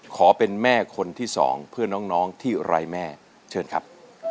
ขอเป็นแม่คนที่สองเพื่อนน้องที่ไร้แม่เชิญครับ